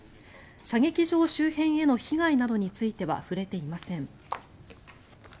射撃場周辺への被害などについては触れていません。